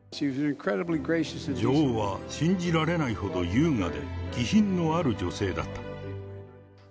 女王は信じられないほど優雅で、気品のある女性だった。